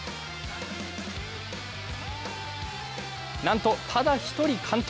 なんとただ一人完登。